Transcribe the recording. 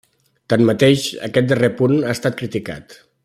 Tanmateix, aquest darrer punt ha estat criticat.